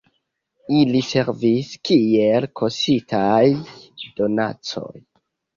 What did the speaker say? Ili servis kiel kostaj donacoj.